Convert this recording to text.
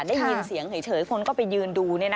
ได้ยินเสียงเฉยคนก็ไปยืนดู